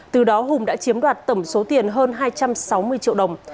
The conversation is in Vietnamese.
từ đó hùng đã chiếm đoạt tổng số tiền hơn hai trăm sáu mươi triệu đồng